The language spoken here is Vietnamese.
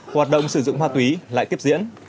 hoạt động sử dụng ma túy lại tiếp diễn